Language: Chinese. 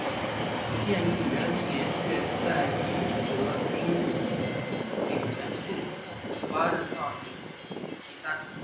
建义元年月在夷则丙辰朔十八日葬于邙山。